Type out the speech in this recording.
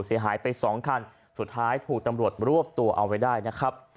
เสียหายไปสองคันสุดท้ายถูกตำรวจรวบตัวเอาไว้ได้นะครับ